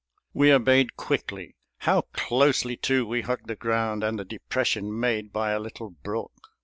We obeyed quickly. How closely, too, we hugged the ground and the depression made by a little brook!